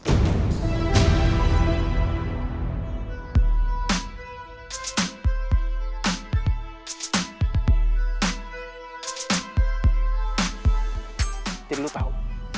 tidak perlu tahu